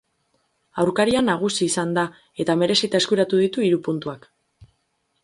Aurkaria nagusi izan da, eta merezita eskuratu ditu hiru puntuak.